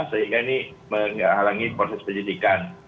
sehingga ini menghalangi proses penyidikan